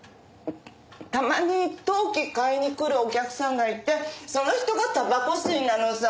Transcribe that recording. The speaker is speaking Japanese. たまに陶器買いに来るお客さんがいてその人がタバコ吸いなのさ。